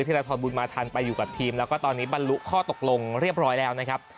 ราธรบุญมาทันไปอยู่กับทีมแล้วก็ตอนนี้บรรลุข้อตกลงเรียบร้อยแล้วนะครับ